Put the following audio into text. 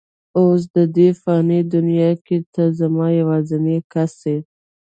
اوس په دې فاني دنیا کې ته زما یوازینۍ کس یې.